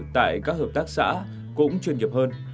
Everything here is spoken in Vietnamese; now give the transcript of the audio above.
tại các hợp tác xã cũng chuyên nghiệp hơn